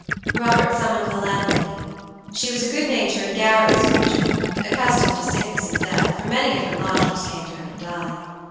Robert summoned the landlady. She was a good natured garrulous creature, accustomed to sickness and death, for many of her lodgers came to her to die.